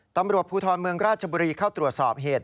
ตำรวจภูทรเมืองราชบุรีเข้าตรวจสอบเหตุ